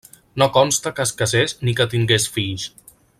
No consta que es casés ni que tingués fills.